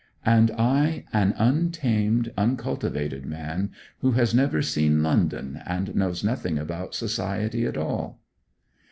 'And I an untamed, uncultivated man, who has never seen London, and knows nothing about society at all.'